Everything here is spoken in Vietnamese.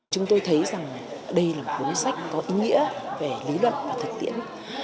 chúng tôi thấy rằng đây là một cuốn sách có ý nghĩa về lý luận và thực tiễn